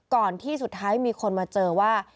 ก่อนที่สุดท้ายมีคนมาเจอว่า